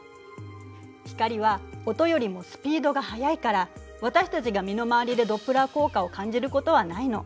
光は音よりもスピードが速いから私たちが身の回りでドップラー効果を感じることはないの。